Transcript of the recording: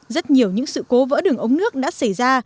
rất nhiều những sự cố vỡ đường ống nước đã xảy ra